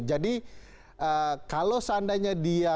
jadi kalau seandainya dia